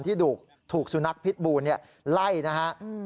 ที่ถูกสุนัขพิษบูรณ์ไล่นะครับ